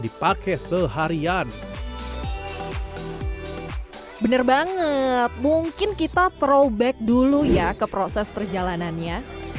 dipakai seharian bener banget mungkin kita trowback dulu ya ke proses perjalanannya